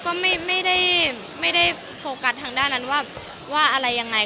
ก็ไม่ได้โฟกัสทางด้านนั้นว่าอะไรยังไง